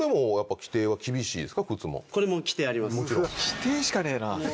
規定しかねえな。